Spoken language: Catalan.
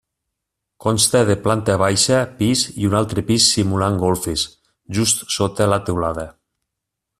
Consta de planta baixa, pis i un altre pis simulant golfes, just sota la teulada.